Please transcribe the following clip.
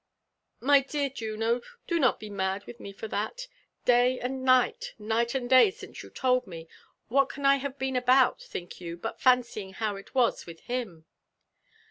"My dear Juno! do not be mad wilhme for (hat. Day and night, night and day since you told me, what can I have been about, ihink you, but fancying how it was with him?"